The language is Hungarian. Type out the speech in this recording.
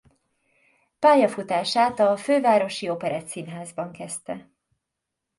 Pályafutását a Fővárosi Operettszínházban kezdte.